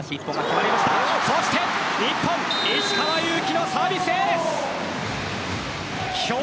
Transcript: そして日本石川祐希のサービスエース。